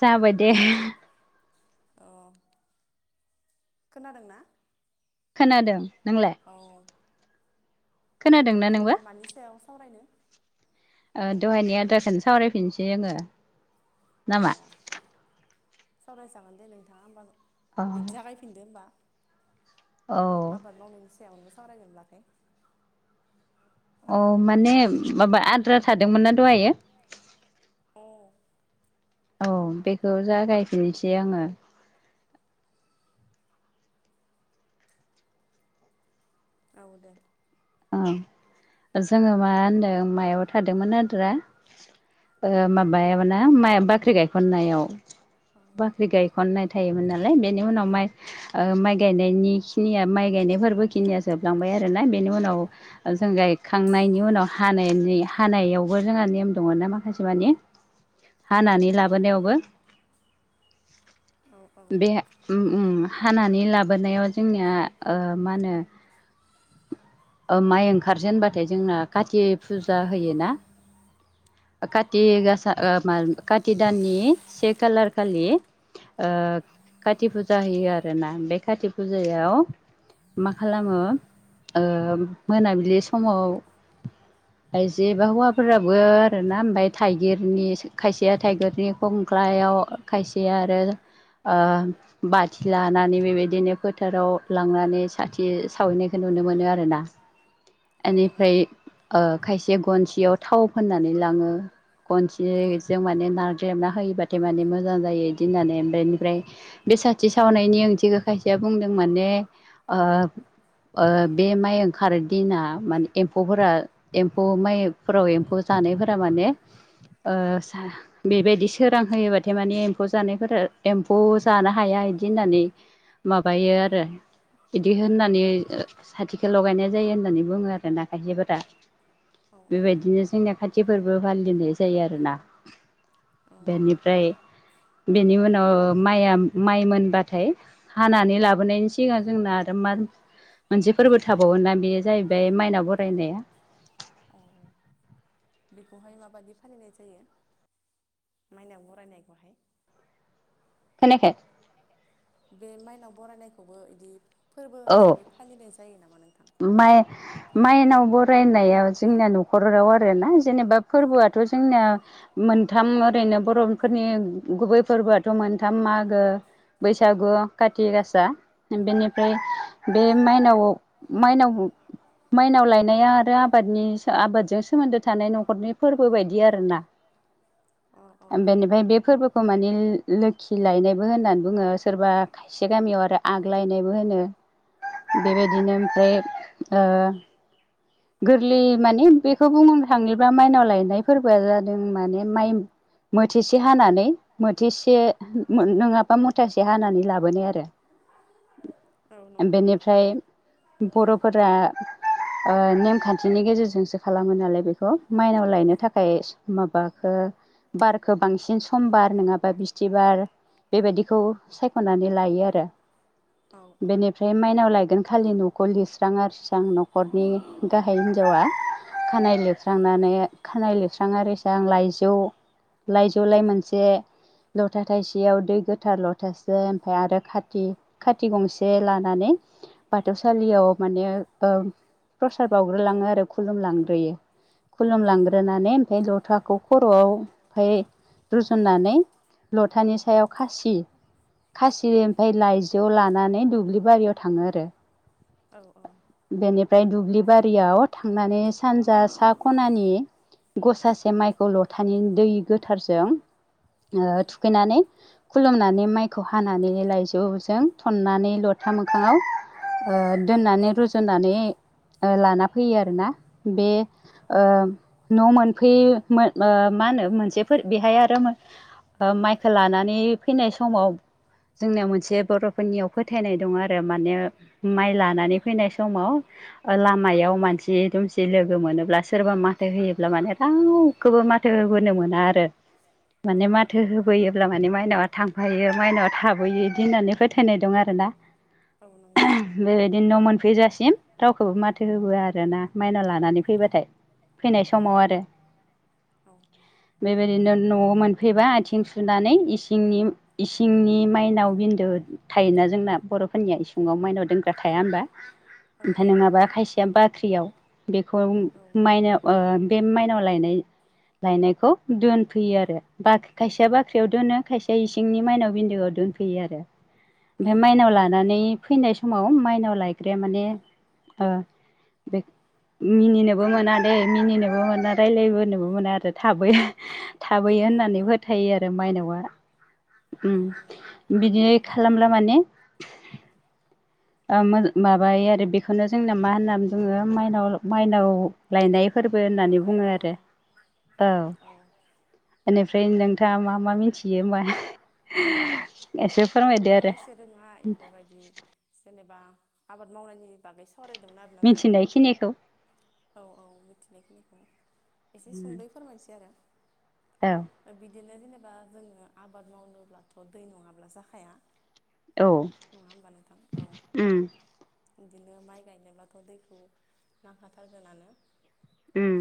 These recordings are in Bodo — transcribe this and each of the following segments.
जाबाय दे। अ खोनादोंना? खोनादों। औ। जों दा मानि सायाव सावरायनो? ओ दहायनि आद्राखौनो सावरायफिनसै जोङो नामा? सावरायजागोन दे नोंथाङा होमबा बिदि जागायफिनदो होमबा। आबाद मावनायनि सायावनो सावरायगोनब्लाथाय। औ माने माबा आद्रा थादोंमोनना दहायो। औ। औ बेखौ जागायफिनसै आङो। औ दे। औ जोङो मा होनदों मायाव थादोंमोन आद्रा। ओ माबायावना माइ बाख्रि गायखन्नायाव बाख्रि गायखन्नाय थायोमोन नालाय बेनि उनाव माइ ओ माइ गायनायनि खिनिया माइ गायनायफोरबो खिनिया जोबलांबाय। आरोना बेनि उनाव जों गायखांनायनि उनाव हानायनि हानायावबो जोंहा नेम दङ ना माखासे मानि हानानै लाबोनायावबो बे उम उम। हानानै लाबोनायाव जोंनिया ओ मा होनो। ओ माइ ओंखारजेनबाथाय जोंना काति फुजा होयो ना। काथि गासा ओ काथि दाननि से खालारखालि ओ काति फुजा होयो आरो ना बे काति फुजायाव मा खालामो ओ मोनाबिलि समाव आइजो एबा हौवाफोराबो आरोना ओमफ्राय थाइगिरनि खायसेया थाइगिरनि खंख्ला हायाव खायसे आरो ओ बाथि लानानै बेबायदिनो फोथाराव लांनानै साथि सावहैनायखौ नो नुनो मोनो आरो ना। ओनिफ्राय ओ खायसे गनसेयाव थाव फोननानै लाङो। खनसेजों माने नारजि ग्रेबना होयोबाथाय माने मोजां जायो इदि होननानै ओमफ्राय ओमफ्राय बे साथि सावनायनि ओंथिखौ खायसेया बुंदों माने ओ ओ बे माइ खारो दिना माने एम्फौफोरा एम्फौ माइफोराव एम्फौ जानायफोरा माने ओ सा बेबायदि सोरां होयोबाथाय माने एम्फौ जानायफोरा एम्फौ जानो हाया बिदि होननानै माबायो आरो बिदि होननानै साथिखौ लगायनाय जायो होननानै बुङो आरो ना खायसेफोरा बेबायदिनो जोंनि खाथिफोरबो फालि लिनाय जायो आरोना बेनिफ्राय बेनि उनाव माइया माइ मोनबाथाय हानानै लाबोनायनि सिगां जोंना आरो मा मोनसे फोरबो थाबावो ना बेयो जाहैबाय माइनाव बरायनाया। बेखौहाय माबाददि फालिनाय जायो? माइनाव बरायनायखौहाय। खोनायाखे? बे माइनाव बरायनायखौबो बिदि फोरबो हिसाबै फालिनाय जायो नामा नोंथां? माइ माइनाव बरायनायाव जोंनिया न'खराव आरोना जेनेबा फोरबोआथ' 'जोंनिया मोनथाम ओरैनो बर'फोरनि गुबै फोरबोआथ' मोनथाम मागो बैसागु काति गासा बेनिफ्राय बे माइनावआव माइनाव माइनाव लायनाया आरो आबादनि आबाद जों थानाय न'खरनि फोरबायदि आरो ना। बेनिफ्राय बे फोरबोखौ माने लोखि लायनायबो होननानै बुङो सोरबा खायसे गामियाव आरो आग्लायनायबो होनो बेबायदिनो ओ गोरलि माने बेखौ बुंनो थाङोब्ला माइनाव लायनाय फोरबोआ जादों माने माइ मोथिसे हानानै मोथिसे नङाबा मुथासे हानानै लाबोनाय आरो बेनिफ्राय बर'फोरा ओ नेमखान्थिनि गेजेरजोंसो खालामो नालाय बेखौ माइनाव लायनो थाखा थाखाय माबाखो बारखौ बांसिन समबार नङाबा बिस्थिबार। बेबायदिखौ सायख'नानै लायो आरो बेनिफ्राय माइनाव लायगोन खालि न'खौ लिरस्राां आरोसि आं न'खरनि आखाइ हिन्जावा खानाय लिरस्रांनानै खानाय लिरस्राङा आरोसां लाइजौ लाइजलाय मोनसे लथा थाइसेयाव दै गोथार लथासे ओमफ्राय आरो खाथि गंसे लानानै बाथौसालि याव माने ओ प्रसाद बावउग्रलाङो आरो खुलुमलांग्रोयो। खुलुमलांग्रोनानै ओमफ्राय लथाखौ खर'आव ओमफ्राय रुजुननानै लथानि सायाव खासि खासि ओमफ्राय लाइ लानानै दुब्लि बारियाव थाङो आरो बेनि फ्राय दुब्लि बारियाव थांनानै सानजा सा खनानि गसासे माइखौ लथानि दै गोथारजों ओ थुखैनानै खुलुमनानै माइखौ हानानै लाइजौजों थननानै लथा मोखाङाव ओ दोननानै रुजुनानै लाना फैयो आरोना ओ बे न' मोनफै ओ मा होनो मोनसेफोर बेहाय आरो माइख लानानै फैनाय समाव जोंनियाव मोनसे बर'फोरनियाव फोथायनाय दं आरो माने माइ लानानै फैनाय समाव लामायाव मानसि दुमसि लोगो मोनोब्लास सोरबा माथो होयोब्ला माने रावखौबो माथो होबोनो मोना आरो माने माथो होबोयोब्ला माने माइनावआ थांफायो मायनावआ थाबोयो बिदि होननानै फोथायनाय दं आरो ना बेबायदिनो न' मोनफैजासिम माथो होबोआ आरो ना माइनाव लानानै फैबाथाय। फैनाय समाव आरो बेबायदिनो न'आव मोनफैबा आथिं सुनानैनि इसिंनि माइनाव बिन्दु थायो दा जोंना बर'फोरनिया इसिङाव माइनाव दोनग्रा थाया होनोमबा। ओमफ्राय नङाबा खायसेया बाख्रियाव बेखौ माइनाव ओ बे माइनाव लायनाय लायनायखौ दोनफैयो आरो बा खायसेया बाख्रियाव दोनो खायसेया इसिंनि माइनाव बिन्दोआव दोनफैयो आरो ओमफाय माइनाव लानानै फैनाय समाव माइनाव लायग्राया माने ओ बे मिनिनोबो मोना दे मिनिनोबो मोना। रायलायबोनोबो मोना आरो थाब-थाबोयो होननानै फोथायो आरो मायनावा। उम बिदि खालामब्ला माने ओ माबा बेखौनो जोंना मा होननानै बुङो मायनाव माइनाव लायनाय फोरबो होननानै बुङो आरो। औ। बेनिफ्राय नोंथाङा मा मा मिथियो होमबा? आंबोथ' एसे रोङा इफोरबायदि जेनेबा आबाद मावनायनि बागैसो सावरायदोंमोन आरोना जोंङो। औ औ मिथिनायखिनिखौ। एसे सुंद'यै फोरमायनोसै आरो बिदिनो जेनेब बा जोङो आबाद मावनोब्लाथ' दै नङाब्ला जाखाया। नङा होमबा नोंथां? औ। बिदिनो माइ गायनोब्लाथ' दैखौ नांखाथारगोनानो। उम।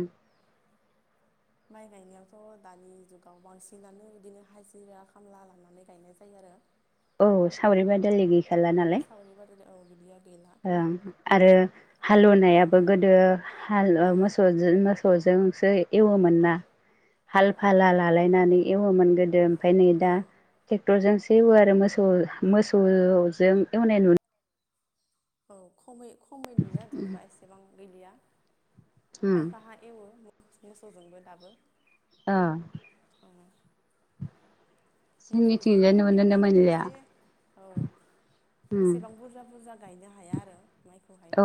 माइ गायनायावथ' दानि जुगाव बांसिनानो इदिनो हाजिरा खामला लानानै गायनाय जायो औ सावरि बादालि गैखाला नालाय। औ बिदि आरो। ओं आरो हालौनायाबो गोदो हाल मोसौजो मोसौजोंसो एवोमोन ना हाल फाला लालायनानै। एवोमोन गोदो ओमफाय नै दा टेक्टरजोंसो एवो आरो मोसौ मोसौजों एवनाय नु औ खमै खमै नुयो आरो जेनेबा एसेबां गैलिया। खायफाहा एवो मोसौजोंबो दाबो। ओ। मोसौजों ए-एवनायखौ एसे औ एसेबां बुरजा बुरजा गायनो हाया आरो माइखौहाय।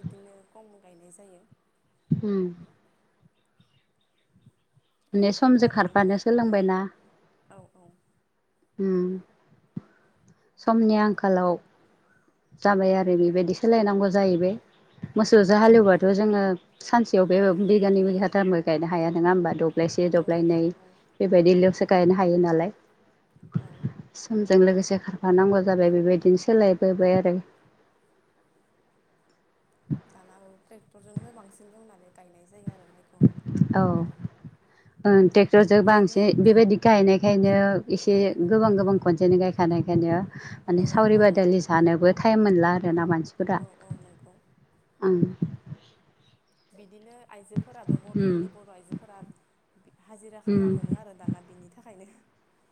बिदिनो खम गायनाय जायो। उम। माने समजों खारबानो सोलोंबायना। औ औ। उम समनि आंखालाव जाबाय आरो बेबायदि सोलायनांगौ जाहैबाय। मोसौजो हालेवबाथ' जोङो सान याव बे बिगानै बिगाथामबो गायनो हाया नोङा होमबा, द'ब्लायसे द'ब्लायनै बेबायदि ल'सो गायनो हायो नालाय। समजों लोगोसे खारफानांगौ जाबाय। बेबायदिनो सोलाय बाबाय आरो। दाना औ ट्रेक्टरजोंनो बांसिन एवनानै गायनाय जा औ ओं टेक्टरजों बांसिन बेबायदि गायनायखायनो एसे गोबां गोबां खनसेनि गायखानायखायनो माने सावरि बादालि जानोबो टाइम मोनला रोना मानसिफोरा ओं। बिदिनो आइजोफोराबो बर' जोंनि बर' आइजोफोरा हाजिरा खामला मोनो आरो दाना बिनि थाखायनो।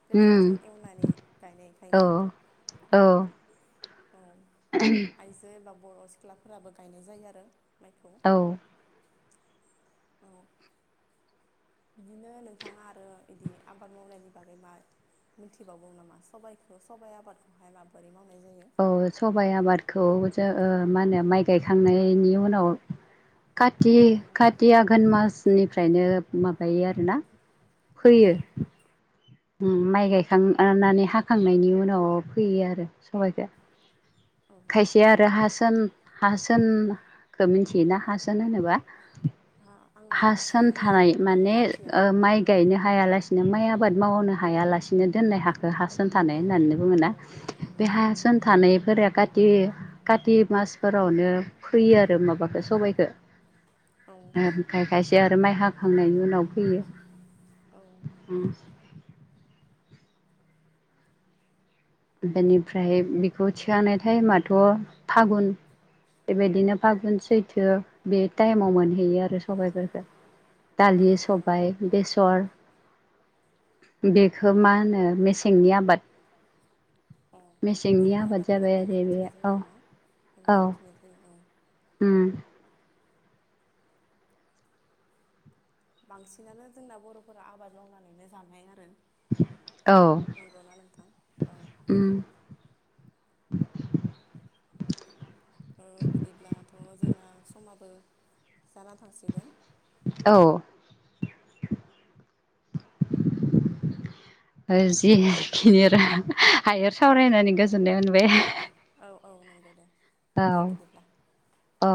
टेकटरजों एवनानै गायनायखायनो। औ आइजो एबा बर' सिख्लाफोराबो गायनाय जायो आरो। औ। औ। बिदिनो नोंथाङा आरो इदि आबाद मावनायनि बागै मा मोनथिबावगौ नामा सबाइखौ सबाइ आबादखौहाय माबोरै माव औ सबाय आबादखौ ओ मा होनो माइ गायखांनायनि उनाव काति काति आघोन मासनिफ्रायनो माबायो आरोना फैयो उम माइ गायखांनानै हाखांनायनि उनाव फैयो आरो सबाइखो खायसे आरो हास होन हासोनखौ मिथियोना हासोन होनोबा हासोन थानाय माने ओ माइ गायनो हायालासिनो माइ आ बाद मावनो हायालासिनो दोननाय हा खो हा सोन थानाय होननानै बुङोना बे हा सोन थानायफोरा काति काति मासफोरावनो फैयो आरो माबाखो सबाइखो औ खाय खायसे आरो माइ हाखांनायनि उनाव फैयो। बेनिफ्राय बेखौ थिखांनाय टाइमाथ' फागुन बेबायदिनो फागुन सैथो बे टाइमाव मोनहैयो आरो सबायफोरखौ। दालि सबाय बेसर बेखौ खौ मा होनो मेसेंनि आबाद अ मेसेंनि आबाद होनना बुंना मिथिनाय जायो आरोना होनना मिथिनाय जायो। उम। बांसिनानो जोंना बर'फोरा आबाद मावनानैनो जानाय आरो। नंगौना नोंथां औ। औ बिदिब्लाथ' जोंना समाबो जाना थांसिगोन। औ। जिखिनि हायो सावरायनानै गोजोननाय मोनबाय। औ औ नंगौ दे। औ औ